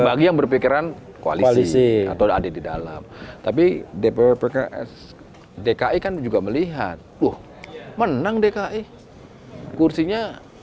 bagian berpikiran kualisi atau ada di dalam tapi dpw dki kan juga melihat loh menang dki kursinya delapan belas